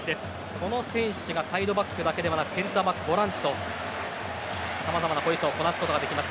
この選手がサイドバックだけではなくセンターバック、ボランチとさまざまなポジションをこなすことができます。